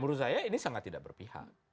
menurut saya ini sangat tidak berpihak